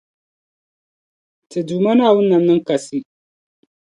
Ti Duuma Naawuni nam niŋ kasi.